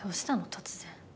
突然。